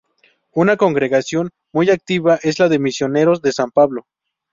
Una congregación muy activa es la de Misioneros de San Pablo.